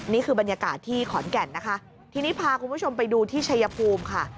นี่คือบรรยากาศที่ขอนแก่นนะคะทีนี้พาคุณผู้ชมไปดูที่ชัยภูมิค่ะ